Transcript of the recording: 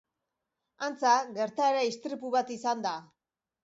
Antza, gertaera istripu bat izan da.